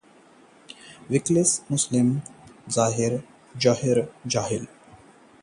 WikiLeaks का खुलासा, जाहिर किया सीआईए का डर